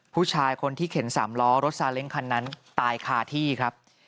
ผู้ชายคนที่เข็นสามล้อรถซาเล้งคันนั้นตายคาที่ครับ